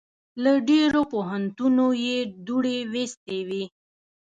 له ډېرو پوهنتونو یې دوړې ویستې وې.